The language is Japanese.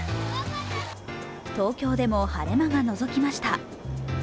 東京でも晴れ間がのぞきました。